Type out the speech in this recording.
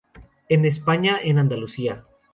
En España en Andalucía.